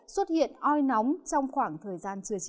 xuất hiện oi nóng trong khoảng thời gian trưa chiều